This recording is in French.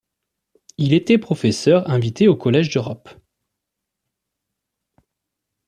Il était professeur invité au Collège d'Europe.